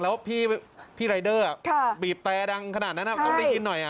แล้วพี่รายเดอร์บีบแตรดังขนาดนั้นต้องได้ยินหน่อย